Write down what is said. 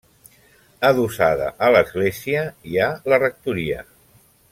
Adossada a l'església hi ha la rectoria.